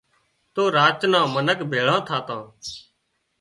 تو راچ نان منک ڀيۯان ٿاتان